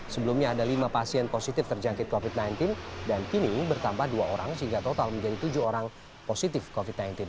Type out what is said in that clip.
sebelumnya ada lima pasien positif terjangkit covid sembilan belas dan kini bertambah dua orang sehingga total menjadi tujuh orang positif covid sembilan belas